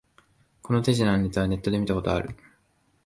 この手品のネタはネットで見たことある